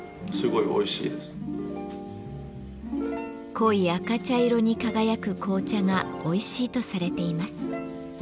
濃い赤茶色に輝く紅茶がおいしいとされています。